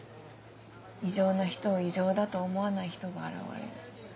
異常な人を異常だと思わない人が現れる。